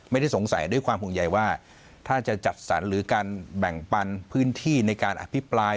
ไม่ได้สงสัยด้วยความห่วงใยว่าถ้าจะจัดสรรหรือการแบ่งปันพื้นที่ในการอภิปราย